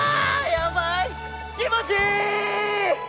やばい気持ちいいー！